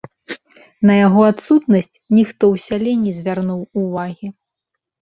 На яго адсутнасць ніхто ў сяле не звярнуў увагі.